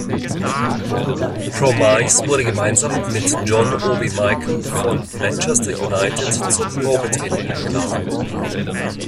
Promise wurde gemeinsam mit John Obi Mikel von Manchester United zum Probetraining eingeladen.